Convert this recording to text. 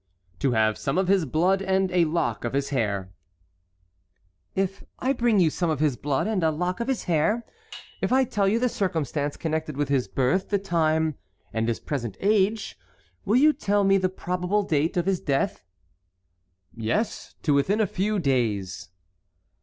"To have some of his blood and a lock of his hair." "If I bring you some of his blood and a lock of his hair, if I tell you the circumstance connected with his birth, the time, and his present age, will you tell me the probable date of his death?" "Yes, to within a few days."